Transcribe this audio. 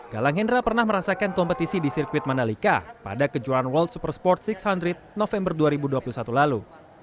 galang hendra pernah merasakan kompetisi di sirkuit mandalika pada kejuaraan world super sport enam ratus november dua ribu dua puluh satu lalu